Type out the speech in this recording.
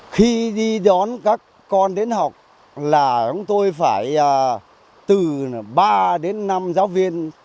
khi đi đón các con đến học là chúng tôi phải từ ba đến năm giáo viên